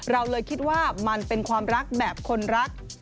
เราเลยคิดว่ามันเป็นความรักแบบคนรัก